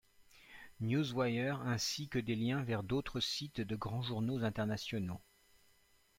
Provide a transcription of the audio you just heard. Newswire, ainsi que des liens vers d'autres sites de grands journaux internationaux.